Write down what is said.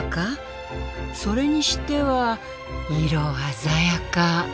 それにしては色鮮やか。